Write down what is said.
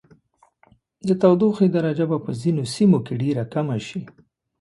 د تودوخې درجه به په ځینو سیمو کې ډیره کمه شي.